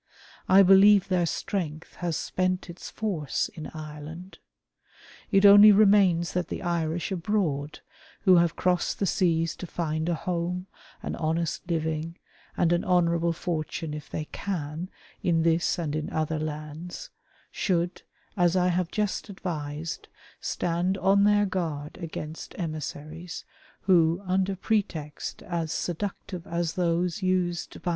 I believe their strength has spent its force in Ireland. It only remains that the Irish abroad, who have crossed the seas to find a home, an honest living, and an honourable fortune if they can in this and in other lands, should, as I have just advised, stand on their guard against emissaries who, under pretexts as seductive as those used by 152 WAR OF ANTICHEIST WITH THE CHURCH.